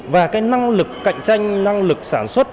và cái năng lực cạnh tranh năng lực sản xuất